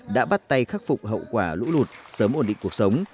đã bắt tay khắc phục hậu quả lũ lụt sớm ổn định cuộc sống